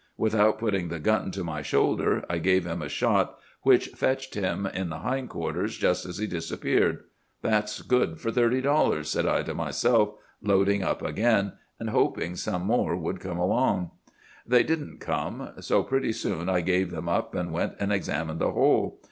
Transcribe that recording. Without putting the gun to my shoulder, I gave him a shot, which fetched him in the hindquarters just as he disappeared. "That's good for thirty dollars," said I to myself, loading up again, and hoping some more would come along. "'They didn't come; so pretty soon I gave them up, and went and examined the hole.